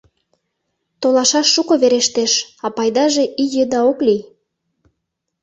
Толашаш шуко верештеш, а пайдаже ий еда ок лий.